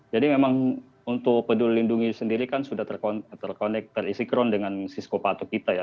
jadi memang untuk peduli lindungi sendiri kan sudah terkoneksi terlalu sinkron dengan siskopatu kita ya